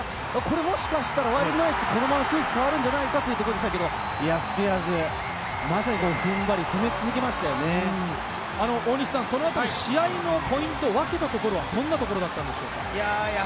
もしかしたらワイルドナイツ、このまま雰囲気が変わるんじゃないかというところでしたけれども、スピアーズ、まさに踏ん張り、大西さん、試合のポイント、分けたところはどんなところですか？